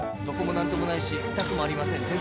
「どこも何ともないし痛くもありません。